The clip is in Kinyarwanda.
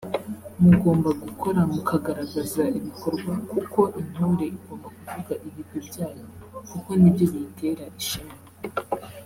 mugomba gukora mukagaragaza ibikorwa kuko intore igomba kuvuga ibigwi byayo kuko ni byo biyitera ishema